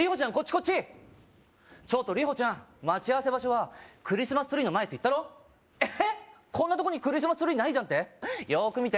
こっちちょっとリホちゃん待ち合わせ場所はクリスマスツリーの前って言ったろえこんなとこにクリスマスツリーないじゃんって？